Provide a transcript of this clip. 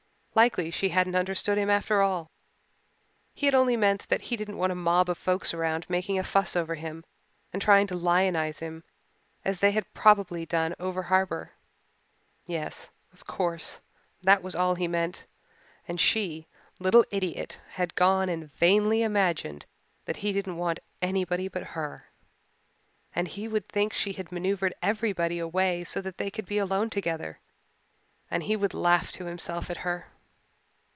Likely she hadn't understood him after all he had only meant that he didn't want a mob of folks around making a fuss over him and trying to lionize him, as they had probably done over harbour. Yes, of course, that was all he meant and she, little idiot, had gone and vainly imagined that he didn't want anybody but her. And he would think she had manoeuvred everybody away so that they could be alone together, and he would laugh to himself at her.